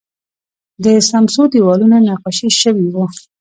د سمڅو دیوالونه نقاشي شوي وو